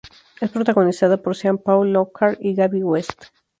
Es protagonizada por Sean Paul Lockhart y Gabby West.